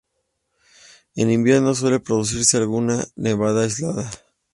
En invierno suele producirse alguna nevada aislada.